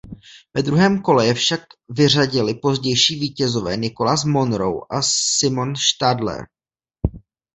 Ve druhém kole je však vyřadili pozdější vítězové Nicholas Monroe a Simon Stadler.